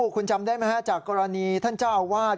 คุณจำได้ไหมฮะจากกรณีท่านเจ้าอาวาส